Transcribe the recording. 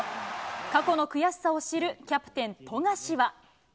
過去の悔しさを知るキャプテン、富樫は。